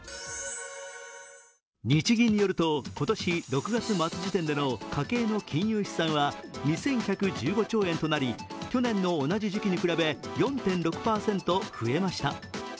日銀によると、今年６月末時点での家計の金融資産は２１１５兆円となり去年の同じ時期に比べ４．６％増えました。